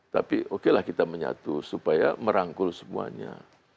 tapi okelah kita menyatu supaya merangkul semuanya